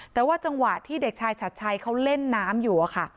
แต่ว่าจังหวะที่เด็กชายฉัดชัยเขาเล่นน้ำอยู่อะค่ะ